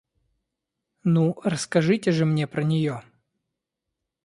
Ну, расскажите же мне про нее.